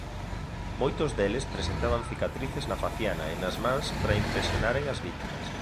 Moitos deles presentaban cicatrices na faciana e nas mans para impresionaren as vítimas.